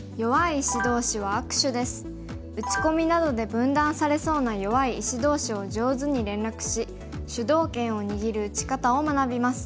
打ち込みなどで分断されそうな弱い石同士を上手に連絡し主導権を握る打ち方を学びます。